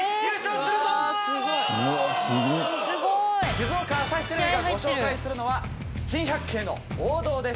静岡朝日テレビがご紹介するのは珍百景の王道です。